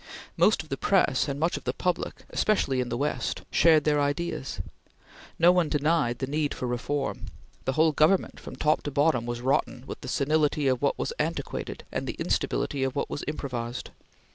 Most of the press, and much of the public, especially in the West, shared their ideas. No one denied the need for reform. The whole government, from top to bottom, was rotten with the senility of what was antiquated and the instability of what was improvised.